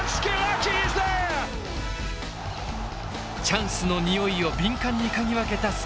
チャンスのにおいを敏感に嗅ぎ分けたスキラッチ。